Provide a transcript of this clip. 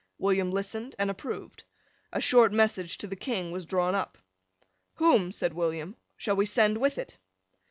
William listened and approved. A short message to the King was drawn up. "Whom," said William, "shall we send with it?"